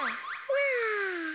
わあ！